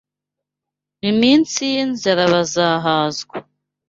M’ iminsi y’inzara bazahazwa.